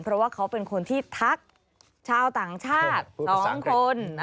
เพราะว่าเขาเป็นคนที่ทักชาวต่างชาติ๒คน